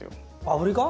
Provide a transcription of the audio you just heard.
アフリカ？